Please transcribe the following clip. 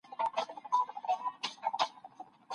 تر شهپر لاندی یې ولیدله غرونه